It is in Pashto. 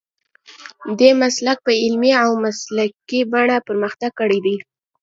دې مسلک په عملي او مسلکي بڼه پرمختګ کړی دی.